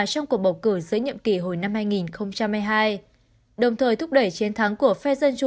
trong cuộc bầu cử dưới nhiệm kỳ hồi năm hai nghìn hai mươi hai đồng thời thúc đẩy chiến thắng của phe dân chủ